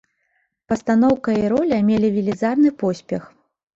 Пастаноўка і роля мелі велізарны поспех.